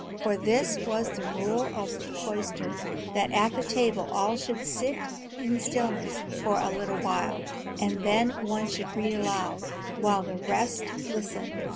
For this was the rule of the cloister, that at the table all should sit in stillness for a little while, and then one should read aloud, while the rest listened.